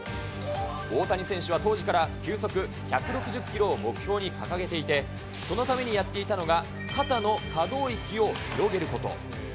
大谷選手は当時から急速１６０キロを目標に掲げていて、そのためにやっていたのが、肩の可動域を広げること。